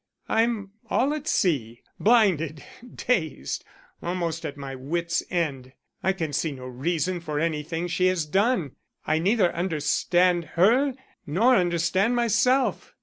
I'm all at sea; blinded, dazed, almost at my wits' end. I can see no reason for anything she has done. I neither understand her nor understand myself.